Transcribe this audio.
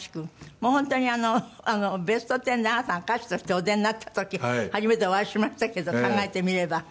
もう本当に『ベストテン』であなたが歌手としてお出になった時初めてお会いしましたけど考えてみれば。